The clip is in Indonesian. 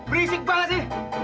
berisik banget sih